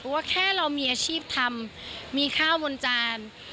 ว่าแค่เรามีอาชีพทำมีข้าวบนจาน